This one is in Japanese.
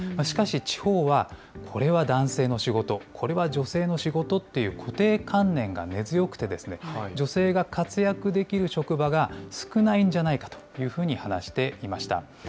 しかし、地方はこれは男性の仕事、これは女性の仕事っていう固定観念が根強くて、女性が活躍できる職場が少ないんじゃないかというふうに話していました。